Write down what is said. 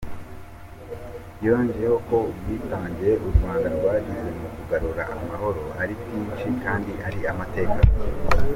Yongeyeho ko ubwitange u Rwanda rwagize mu kugarura amahoro ari bwinshi kandi ari amateka.